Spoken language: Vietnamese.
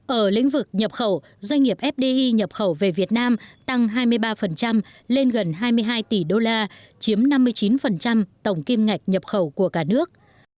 ở lĩnh vực nhập khẩu doanh nghiệp fdi nhập khẩu về việt nam tăng hai mươi ba lên gần hai mươi hai tỷ đô la chiếm năm mươi chín tổng kim ngạch nhập khẩu của cả nước